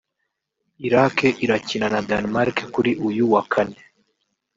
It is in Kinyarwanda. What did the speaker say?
Iraq irakina na Denmark kuri uyu wa Kane